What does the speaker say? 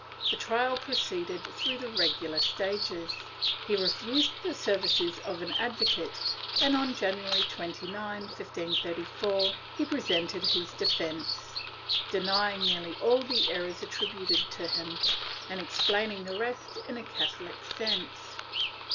The trial proceeded through the regular stages. He refused the services of an advocate and, on January 29, 1534, he presented his defence, denying nearly all the errors attributed to him and explaining the rest in a Catho lic sense.